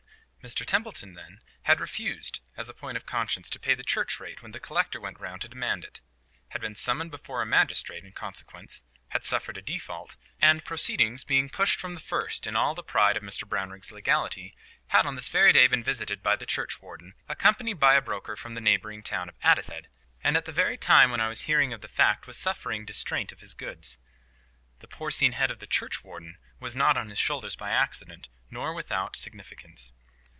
Mr Templeton, then, had refused, as a point of conscience, to pay the church rate when the collector went round to demand it; had been summoned before a magistrate in consequence; had suffered a default; and, proceedings being pushed from the first in all the pride of Mr Brownrigg's legality, had on this very day been visited by the churchwarden, accompanied by a broker from the neighbouring town of Addicehead, and at the very time when I was hearing of the fact was suffering distraint of his goods. The porcine head of the churchwarden was not on his shoulders by accident, nor without significance.